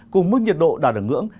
cùng mức nhiệt độ đạt được ngưỡng